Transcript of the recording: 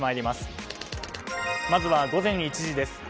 まずは午前１時。